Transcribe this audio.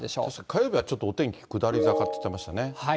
火曜日はちょっとお天気下り坂って言ってましたね。